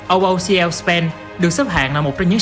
oocl spain được xếp hạng là một trong những